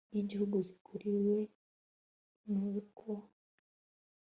y igihugu zikuriwe n urwo